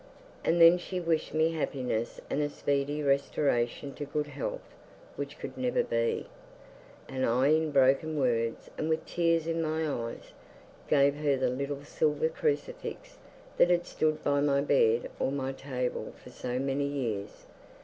and then she wished me happiness and a speedy restoration to good health (which could never be); and I in broken words and with tears in my eyes, gave her the little silver crucifix that had stood by my bed or my table for so many years.